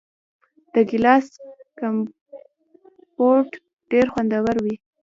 د ګیلاس کمپوټ ډیر خوندور وي.